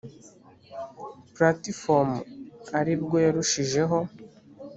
platifomu ari bwo yarushijeho.